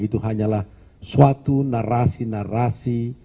itu hanyalah suatu narasi narasi